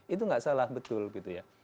itu nggak salah betul gitu ya